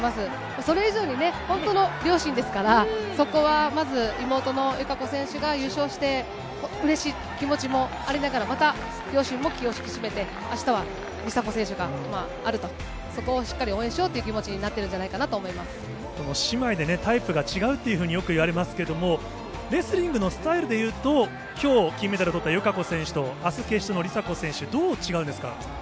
それ以上にね、本当の両親ですから、そこはまず妹の友香子選手が優勝してうれしい気持ちもありながら、また両親も気を引き締めて、あしたは梨紗子選手があると、そこをしっかり応援しようという気持ちになってるんじゃないかな姉妹でタイプが違うというふうによくいわれますけれども、レスリングのスタイルでいうと、きょう金メダルをとった友香子選手と、あす決勝の梨紗子選手、どう違うんですか。